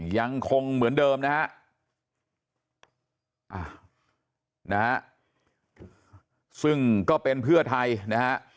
ยังคงเหมือนเดิมนะฮะซึ่งก็เป็นเพื่อไทยนะฮะ